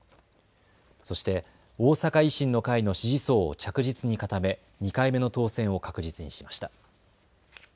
そして大阪維新の会の支持層を着実に固め２回目の当選を確実にしました。